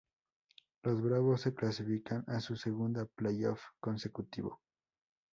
Los Bravos se clasifican a su segundo Play Off consecutivo.